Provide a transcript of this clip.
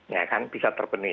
ya kan bisa terpenuhi